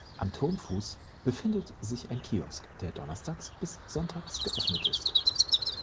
Am Turmfuß befindet sich ein Kiosk, der donnerstags bis sonntags geöffnet ist.